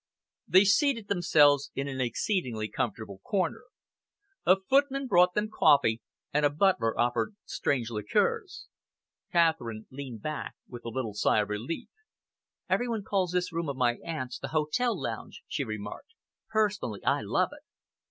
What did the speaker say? They seated themselves in an exceedingly comfortable corner. A footman brought them coffee, and a butler offered strange liqueurs. Catherine leaned back with a little sigh of relief. "Every one calls this room of my aunt's the hotel lounge," she remarked. "Personally, I love it."